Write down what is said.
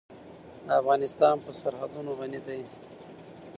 افغانستان په سرحدونه غني دی.